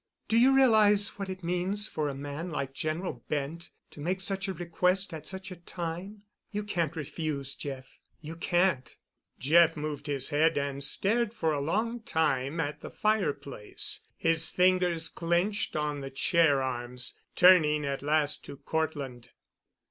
Do you realize what it means for a man like General Bent to make such a request at such a time? You can't refuse, Jeff. You can't." Jeff moved his head and stared for a long time at the fireplace, his fingers clenched on the chair arms, turning at last to Cortland.